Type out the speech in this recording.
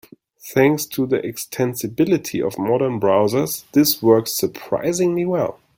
Thanks to the extensibility of modern browsers, this works surprisingly well.